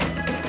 mak mak mak